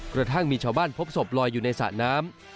กระทั่งมีชาวบ้านพบศพลอยอยู่ในสระน้ำ